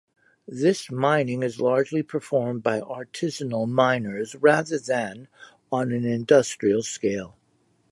This mining is largely performed by artisanal miners, rather than on an industrial scale.